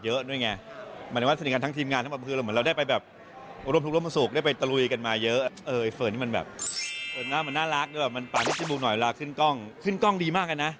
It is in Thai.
เพราะว่าเรื่องนี้มันเราได้ถ่ายที่ต่างจังหวัดเยอะด้วยไง